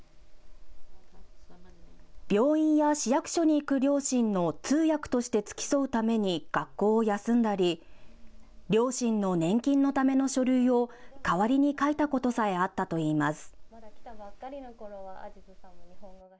病院や市役所に行く両親の通訳として付き添うために学校を休んだり両親の年金のための書類を代わりに書いたことさえあったといいます。